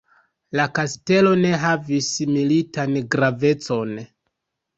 La kastelo ne havis militan gravecon.